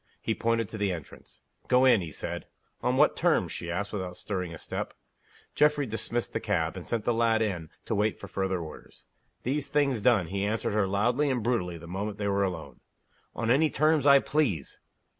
He pointed to the entrance. "Go in," he said. "On what terms?" she asked, without stirring a step. Geoffrey dismissed the cab; and sent the lad in, to wait for further orders. These things done, he answered her loudly and brutally the moment they were alone: "On any terms I please."